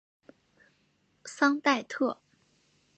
桑代特。